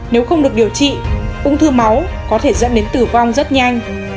nếu không được điều trị ung thư máu có thể dẫn đến tử vong rất nhanh